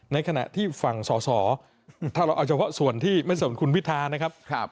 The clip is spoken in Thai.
ในขณะที่ฝั่งสอสอถ้าเราเอาเฉพาะส่วนที่ไม่ส่วนคุณพิทานะครับ